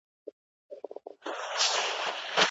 ولي مدام هڅاند د پوه سړي په پرتله لوړ مقام نیسي؟